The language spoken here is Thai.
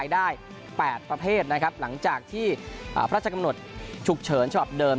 และครับหลังจากที่อ่าพระราชกรรมหน่ดฉุกเฉินฉมาตรบเดิม